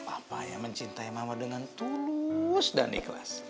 papa yang mencintai mama dengan tulus dan ikhlas